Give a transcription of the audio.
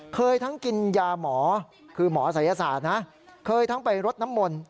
เคยทั้งกินยาหมอคือหมอสัยศาสนเคยทั้งไปรถน้ำมนท์